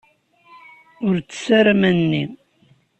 Ur ttess ara aman-nni.